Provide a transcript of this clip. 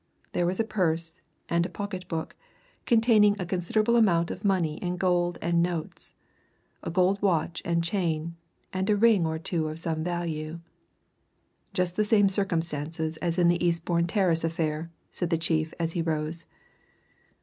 There was a purse and a pocket book, containing a considerable amount of money in gold and notes; a good watch and chain, and a ring or two of some value. "Just the same circumstances as in the Eastbourne Terrace affair," said the chief as he rose.